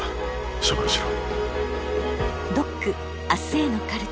処分しろ。